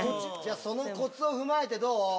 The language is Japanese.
そのコツを踏まえてどう？